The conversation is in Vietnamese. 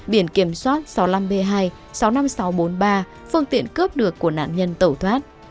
biển kiểm soát sáu mươi năm b hai sáu mươi năm nghìn sáu trăm bốn mươi ba phương tiện cướp được của nạn nhân tẩu thoát